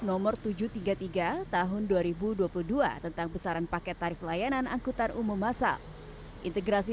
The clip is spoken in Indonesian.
nomor tujuh ratus tiga puluh tiga tahun dua ribu dua puluh dua tentang besaran paket tarif layanan angkutan umum masal integrasi